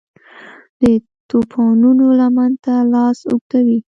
د توپانونو لمن ته لاس اوږدوي